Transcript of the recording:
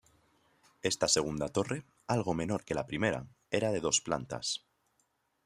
Esta segunda Torre, algo menor que la primera, era de dos plantas.